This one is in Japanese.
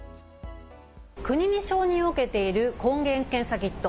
国に承認を受けている抗原検査キット。